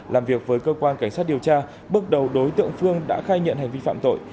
làm việc với cơ quan cảnh sát điều tra bước đầu đối tượng phương đã khai nhận hành vi phạm tội